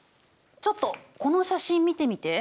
ちょっとこの写真見てみて。